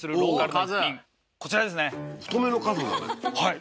はい。